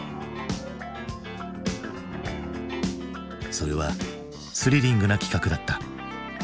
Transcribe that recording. それはスリリングな企画だった。